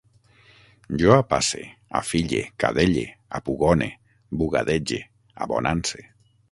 Jo apasse, afille, cadelle, apugone, bugadege, abonance